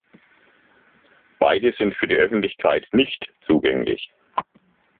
Beide sind für die Öffentlichkeit nicht zugänglich.